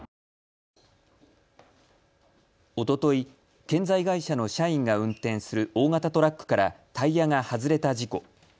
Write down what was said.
おととい、建材会社の社員が運転する大型トラックからタイヤが外れた事故。